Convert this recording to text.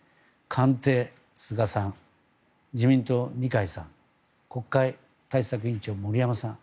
官邸、菅さん自民党、二階さん国会対策委員長、森山さん